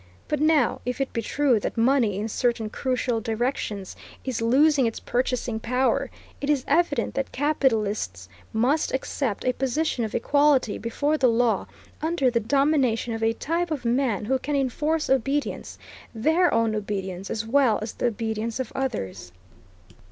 But now, if it be true that money, in certain crucial directions, is losing its purchasing power, it is evident that capitalists must accept a position of equality before the law under the domination of a type of man who can enforce obedience; their own obedience, as well as the obedience of others.